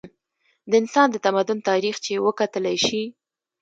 د انسان د تمدن تاریخ چې وکتلے شي